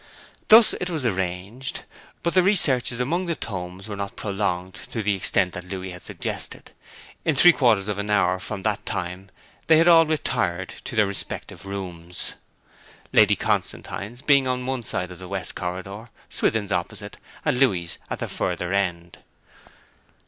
Thus it was arranged; but the researches among the tomes were not prolonged to the extent that Louis had suggested. In three quarters of an hour from that time they had all retired to their respective rooms; Lady Constantine's being on one side of the west corridor, Swithin's opposite, and Louis's at the further end.